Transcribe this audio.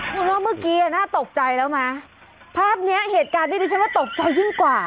คุณว่าเมื่อกี้น่าตกใจแล้วไหมภาพเนี้ยเหตุการณ์นี้ดิฉันว่าตกใจยิ่งกว่า